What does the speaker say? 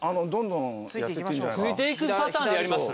ついていくパターンでやります？